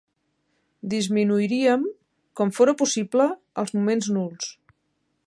Disminuiríem, com fóra possible, els moments nuls.